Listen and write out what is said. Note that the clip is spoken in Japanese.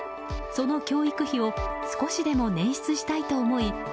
その教育費を少しでも捻出したいと思い